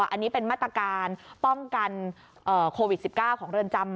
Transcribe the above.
อันนี้เป็นมาตรการป้องกันโควิด๑๙ของเรือนจำ